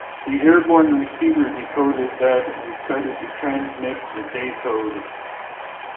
The airborne receiver decoded that and started to transmit the day code.